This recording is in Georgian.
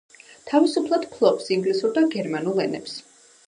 თავისუფლად ფლობს ინგლისურ და გერმანულ ენებს.